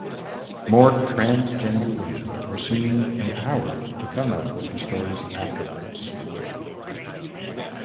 More transgender women were seen empowered to come out with their stories afterwards.